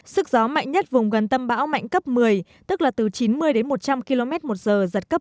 sức gió mạnh nhất vùng gần tâm bão mạnh cấp một mươi tức là từ chín mươi đến một trăm linh km một giờ giật cấp một mươi